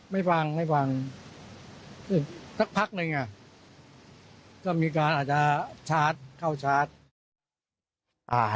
ไม่ฟังไม่ฟังสักพักนึงก็มีการอาจจะชาร์จเข้าชาร์จ